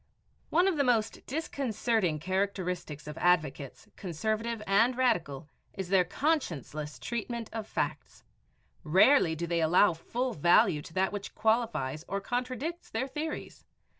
One of the most disconcerting characteristics of advocates, conservative and radical, is their conscienceless treatment of facts. Rarely do they allow full value to that which qualifies or contradicts their theories.